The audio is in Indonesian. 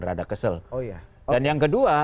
rada kesel oh ya dan yang kedua